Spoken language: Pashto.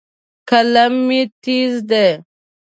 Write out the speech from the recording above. قلم مې تیز دی.